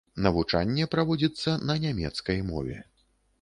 Навучанне праводзіцца на нямецкай мове.